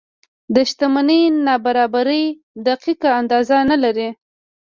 د شتمنۍ نابرابرۍ دقیقه اندازه نه لري.